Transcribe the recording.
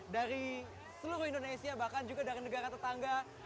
dari seluruh indonesia bahkan juga dari negara tetangga